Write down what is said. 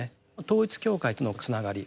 統一教会とのつながり。